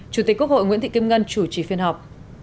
chủ tịch quốc hội nguyễn thị kim ngân chủ trì phiên họp